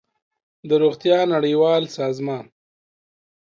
د روغتیا نړیوال سازمان